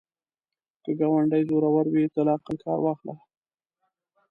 که ګاونډی زورور وي، ته له عقل کار واخله